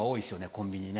コンビニね。